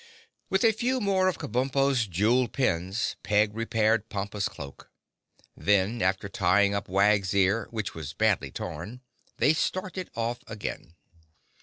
With a few more of Kabumpo's jeweled pins Peg repaired Pompa's cloak. Then, after tying up Wag's ear, which was badly torn, they started off again.